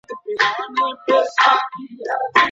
دیت بايد د منقول مال په بڼه ورکړل سي.